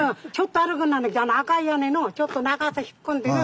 あの赤い屋根のちょっと中さ引っ込んでる